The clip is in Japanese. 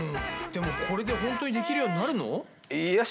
でもこれでほんとにできるようになるの？